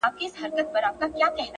زه خو دا يم ژوندی يم-